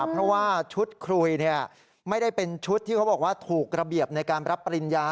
เพราะว่าชุดคุยไม่ได้เป็นชุดที่เขาบอกว่าถูกระเบียบในการรับปริญญา